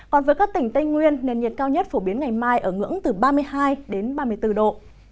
còn với các tỉnh tây nguyên nền nhiệt cao nhất phổ biến ngày mai ở ngưỡng từ ba mươi hai đến ba mươi bốn độ